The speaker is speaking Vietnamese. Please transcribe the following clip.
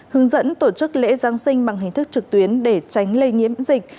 hướng dẫn tổ chức lễ giáng sinh bằng hình thức trực tuyến để tránh lây nhiễm dịch